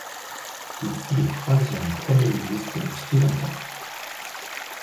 Il fut le troisième Premier ministre du Sri Lanka.